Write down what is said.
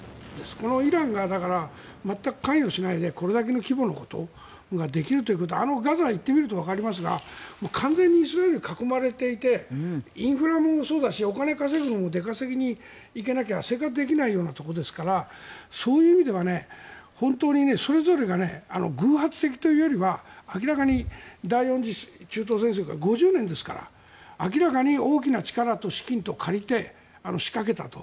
このイランが全く関与しないでこれだけの規模のことができるということはガザへ行ってみるとわかりますが完全にイスラエルに囲まれていてインフラもそうだしお金を稼ぐのも出稼ぎに行かなきゃ生活できないようなところですからそういう意味では本当にそれぞれが偶発的というよりは明らかに第４次中東戦争から５０年ですから明らかに大きな力と資金を借りて仕掛けたと。